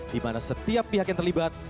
di mana setiap pihak yang terlibat